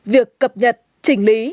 việc cập nhật chỉnh lý